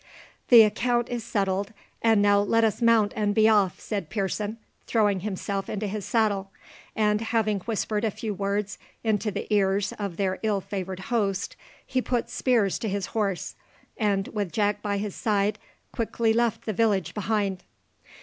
"The account is settled; and now let us mount and be off," said Pearson, throwing himself into his saddle, and, having whispered a few words into the ears of their ill favoured host, he put spurs to his horse, and with Jack by his side quickly left the village behind.